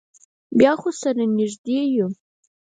بیا خو سره نږدې یو.